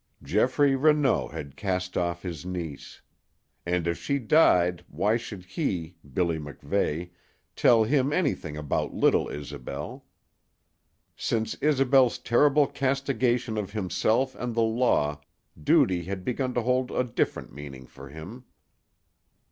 Geoffrey Renaud had cast off his niece. And if she died why should he Billy MacVeigh tell him anything about little Isobel? Since Isobel's terrible castigation of himself and the Law duty had begun to hold a diferent meaning for him.